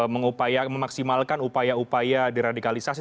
mengupaya memaksimalkan upaya upaya di radikalisasi